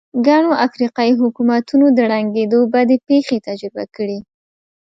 ګڼو افریقايي حکومتونو د ړنګېدو بدې پېښې تجربه کړې.